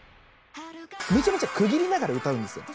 めちゃめちゃ区切りながら歌うんですよ